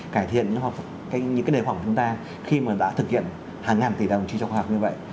cải thiện những cái đề khoa học của chúng ta khi mà đã thực hiện hàng ngàn tỷ đồng chuyên trọng khoa học như vậy